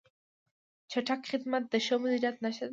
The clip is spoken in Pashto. چټک خدمت د ښه مدیریت نښه ده.